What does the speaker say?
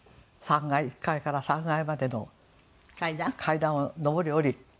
３階１階から３階までの階段を上り下り」。